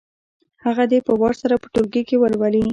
هغه دې په وار سره په ټولګي کې ولولي.